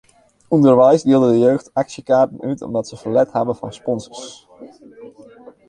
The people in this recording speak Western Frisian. Underweis dielde de jeugd aksjekaarten út omdat se ferlet hawwe fan sponsors.